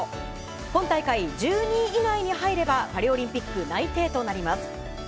今大会１２位以内に入ればパリオリンピック内定となります。